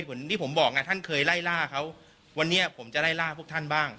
เหมือนที่ผมบอกท่านเคยไล่ล่าเขาวันนี้ผมจะไล่ล่าพวกท่านบ้าง